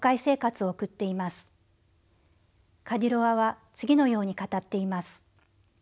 カディロワは次のように語っています。